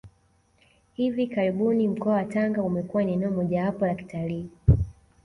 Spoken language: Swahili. Hivi karibuni mkoa wa Tanga umekuwa ni eneo mojawapo la kitalii